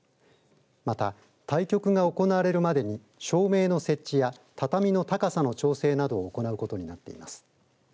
また、対局が行われるまでに照明の設置や畳の高さの調整などを行うことになっています。